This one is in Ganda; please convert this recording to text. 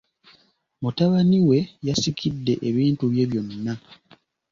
Mutabani we yasikidde ebintu bye byonna.